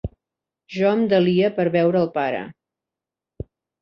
Jo em delia per veure el pare.